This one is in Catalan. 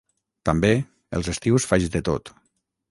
També, els estius faig de tot.